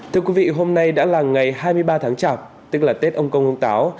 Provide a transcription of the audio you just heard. thưa quý vị hôm nay đã là ngày hai mươi ba tháng chạp tức là tết ông công ông táo